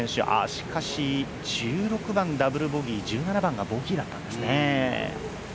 しかし、１６番ダブルボギー１７番がボギーだったんですね。